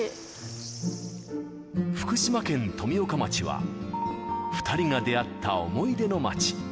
福島県富岡町は、２人が出会った思い出の街。